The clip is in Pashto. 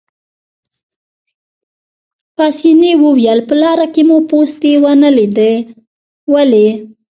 پاسیني وویل: په لاره کې مو پوستې ونه لیدې، ولې؟